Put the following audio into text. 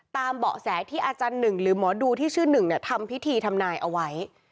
เบาะแสที่อาจารย์หนึ่งหรือหมอดูที่ชื่อหนึ่งทำพิธีทำนายเอาไว้